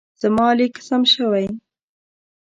زما لیک سم شوی.